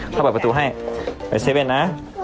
เขาเปิดประตูให้ไปเซเว่นนะ